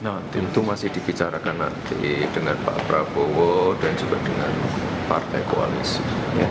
nah tentu masih dibicarakan nanti dengan pak prabowo dan juga dengan partai koalisi